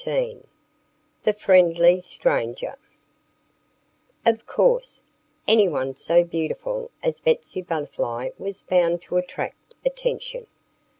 XIII THE FRIENDLY STRANGER OF course, anyone so beautiful as Betsy Butterfly was bound to attract attention.